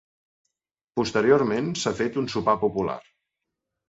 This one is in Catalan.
Posteriorment s’ha fet un sopar popular.